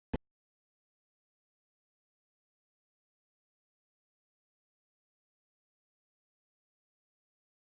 วิสุทธิภาพอะไร